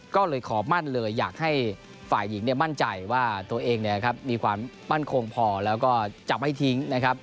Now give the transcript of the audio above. ก็เลยขอมั่นเลยอยากให้ฝ่ายหญิงมั่นใจว่าตัวเองมีความมั่นคงพอแล้วก็จะไม่ทิ้งนะครับ